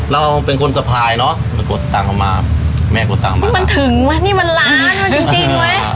เราเป็นคนสะพายเนอะมันกดตังค์เอามาแม่กดตังค์มามันถึงวะนี่มันล้านมันจริงจริงไหม